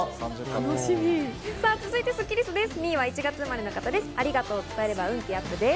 続いてスッキりすです。